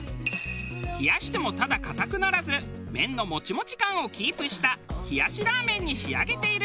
冷やしてもただ硬くならず麺のモチモチ感をキープした冷やしラーメンに仕上げているという。